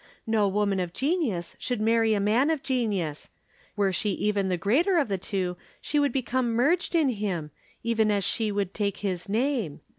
No woman of genius should marry a man of genius were she even the greater of the two she would become merged in him, even as she would take his name.